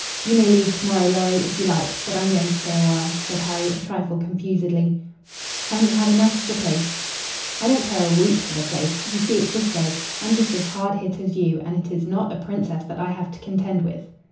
"You may leave to morrow, Lorry, if you like, but I'm going to stay a while," said Harry, a trifle confusedly. "Haven't you had enough of the place?" "I don't care a whoop for the place. You see, it's this way: I'm just as hard hit as you, and it is not a Princess that I have to contend with."